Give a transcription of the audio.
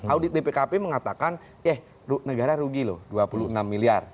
audit bpkp mengatakan eh negara rugi loh dua puluh enam miliar